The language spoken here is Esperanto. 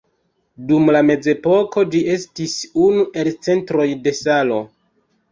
Dum la mezepoko ĝi estis unu el centroj de salo.